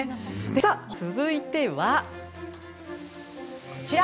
さあ続いてはこちら。